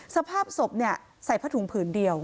สภาพศพใส่ผ้าถุงผืนเดียว